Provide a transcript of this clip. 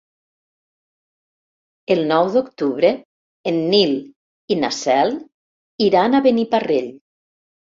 El nou d'octubre en Nil i na Cel iran a Beniparrell.